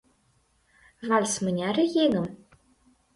Вальс мыняре еҥым